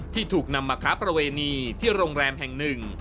ที่ถูกนำมาค้าประเวณีที่โรงแรมแห่งหนึ่ง